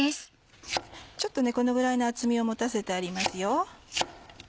ちょっとこのぐらいの厚みを持たせてありますよ。